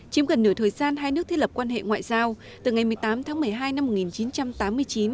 chiếm gần nửa thời gian hai nước thiết lập quan hệ ngoại giao từ ngày một mươi tám tháng một mươi hai năm một nghìn chín trăm tám mươi chín